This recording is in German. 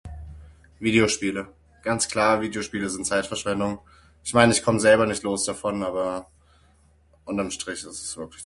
Videospiele, ganz klar Videospiele sind Zeitverschwendung, ich mein ich komm selber nicht los davon aber unterm Strich is es wirklich. [unintelligible]